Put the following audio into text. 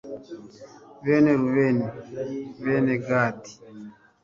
bene rubeni, bene gadi